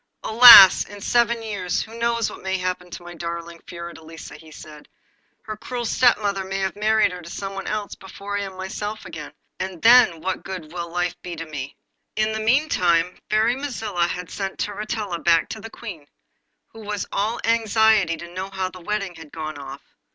'Alas! in seven years who knows what may happen to my darling Fiordelisa!' he said. 'Her cruel stepmother may have married her to someone else before I am myself again, and then what good will life be to me?' In the meantime the Fairy Mazilla had sent Turritella back to the Queen, who was all anxiety to know how the wedding, had gone off.